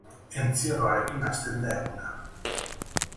Entzierroarekin hasten da eguna.